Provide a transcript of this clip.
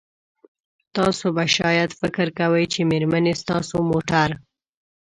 تاسو به شاید فکر کوئ چې میرمنې ستاسو موټر